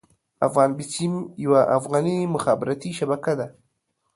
افغان بيسيم يوه افغاني مخابراتي شبکه ده.